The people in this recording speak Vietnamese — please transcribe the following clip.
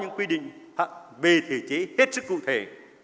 chúng ta đã có những quy định về thể chế hết sức cụ thể